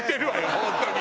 本当に。